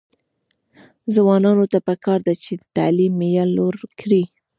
ځوانانو ته پکار ده چې، تعلیم معیار لوړ کړي.